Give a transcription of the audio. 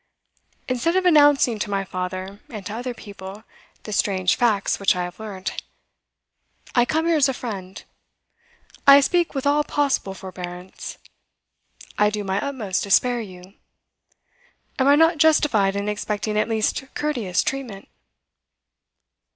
Instead of announcing to my father, and to other people, the strange facts which I have learnt, I come here as a friend, I speak with all possible forbearance, I do my utmost to spare you. Am I not justified in expecting at least courteous treatment?